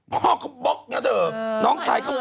พ่อเขาบล็อกนะเธอน้องชายเขาบอก